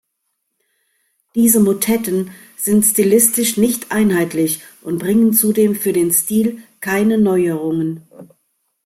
Diese Motetten sind stilistisch nicht einheitlich und bringen zudem für den Stil keine Neuerungen.